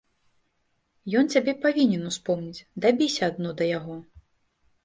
Ён цябе павінен успомніць, дабіся адно да яго.